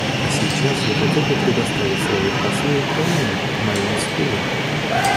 А сейчас я хотел бы предоставить слово послу Украины Маймескулу.